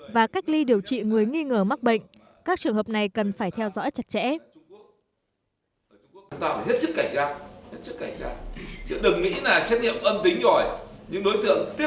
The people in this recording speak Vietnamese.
và cách ly điều trị người nghi ngờ mắc bệnh các trường hợp này cần phải theo dõi chặt chẽ